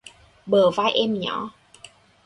Bờ vai em nhỏ